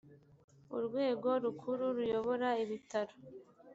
urwego rukuru ruyobora ibitaro .